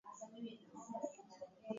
Weka ma mbeko yote mu mufuko